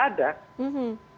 ya dinamika terhadap tokoh